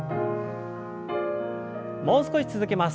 もう少し続けます。